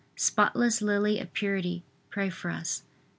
spotless lily of purity, pray for us.